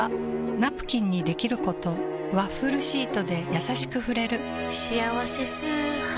ナプキンにできることワッフルシートでやさしく触れる「しあわせ素肌」